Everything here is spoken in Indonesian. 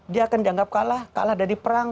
dia akan dianggap kalah kalah dari perang